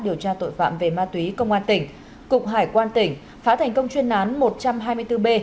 điều tra tội phạm về ma túy công an tỉnh cục hải quan tỉnh phá thành công chuyên nán một trăm hai mươi bốn b